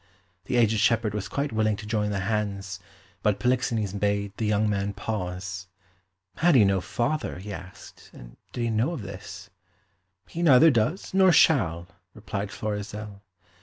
The aged shepherd was quite willing to join their hands, but Polixenes bade the young man pause. Had he no father, he asked, and did he know of this? "He neither does nor shall," replied Florizel.